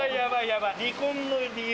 離婚の理由